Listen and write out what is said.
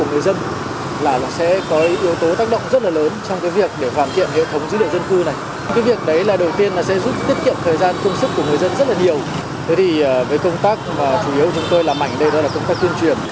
với công tác mà chủ yếu chúng tôi làm mạnh đây đó là công tác tuyên truyền